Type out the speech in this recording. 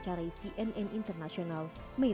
saat ia diwawancari cnn international mei lalu